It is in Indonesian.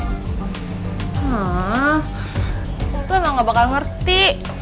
nah itu emang gak bakal ngerti